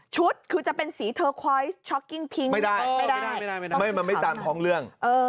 ชุดคือจะเป็นสีเทอร์คอยซ์ช็อกกิ้งพิ้งไม่ได้มันไม่ตามท้องเรื่อง